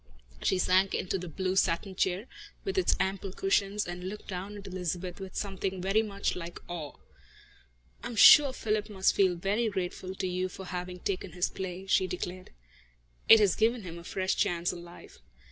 She sank into the blue satin chair, with its ample cushions, and looked down at Elizabeth with something very much like awe. "I am sure Philip must feel very grateful to you for having taken his play," she declared. "It has given him a fresh chance in life."